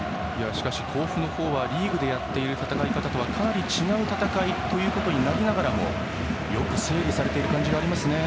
しかし甲府の方はリーグでやっている戦い方とはかなり違う戦いということになりながらもよく整備されている感じがありますね。